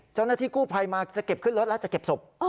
เจ้าหน้าที่กู้ภัยมาจะเก็บขึ้นรถแล้วจะเก็บศพ